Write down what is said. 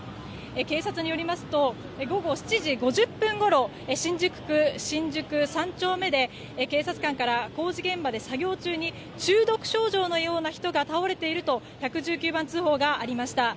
警察によりますと午後７時５０分ごろ新宿区新宿３丁目で警察官から工事現場で作業中に中毒症状のような人が倒れていると１１９番通報がありました。